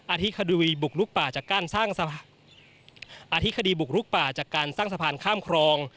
อาทิตย์คดีบุกลุกป่าจากการสร้างสะพานข้ามครอง